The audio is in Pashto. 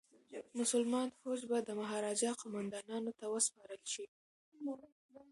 مسلمان فوج به د مهاراجا قوماندانانو ته وسپارل شي.